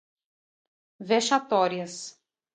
vexatórias